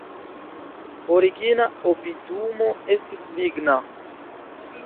Origina opidumo estis ligna.